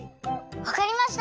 わかりました。